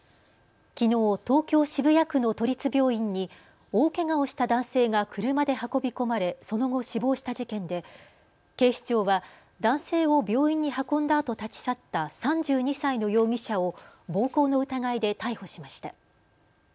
きのう東京渋谷区の都立病院に大けがをした男性が車で運び込まれその後、死亡した事件で警視庁は男性を病院に運んだあと立ち去った３２歳の容疑者を暴行の疑いで逮捕しました。